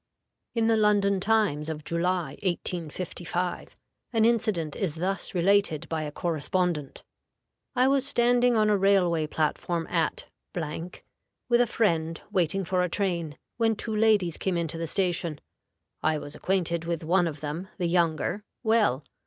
In the London Times of July, 1855, an incident is thus related by a correspondent: "I was standing on a railway platform at , with a friend waiting for a train, when two ladies came into the station. I was acquainted with one of them, the younger, well.